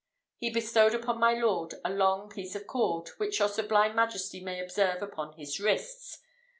He bestowed upon my lord a long piece of cord, which your sublime majesty may observe upon his wrists.